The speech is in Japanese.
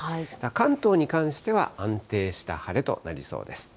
関東に関しては安定した晴れとなりそうです。